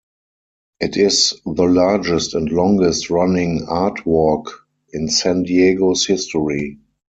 It is the largest and longest running art walk in San Diego's history.